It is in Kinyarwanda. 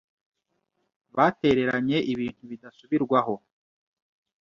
batereranye ibintu bidasubirwaho